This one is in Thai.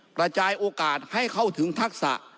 กระจายโอกาสให้เข้าถึงทักษะ